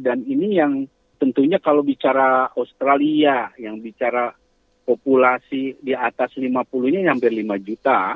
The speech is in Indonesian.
dan ini yang tentunya kalau bicara australia yang bicara populasi di atas lima puluh nya nyampe lima juta